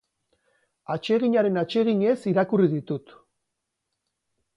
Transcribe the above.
Atseginaren atseginez irakurri ditut.